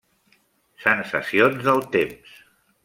Sensacions del temps.